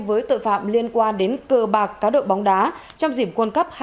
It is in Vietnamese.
với tội phạm liên quan đến cờ bạc cá đội bóng đá trong dìm quân cấp hai nghìn